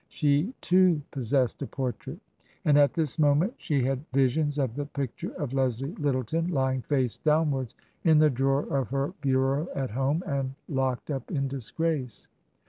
She too possessed a portrait. And at this moment she had vis ions of the picture of Leslie Lyttleton lying face down wards in the drawer of her bureau at home and locked up in disgrace.